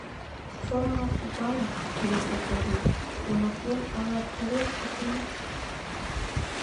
Чон ала тугаяк рвезе кодын, Йомакем ала толеш пытен?